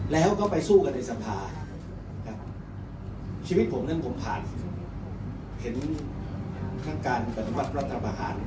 แล้วก็ไปสู้กันในสภาครับชีวิตผมนั้นผมผ่านเห็นทั้งการปฏิวัติรัฐประหาร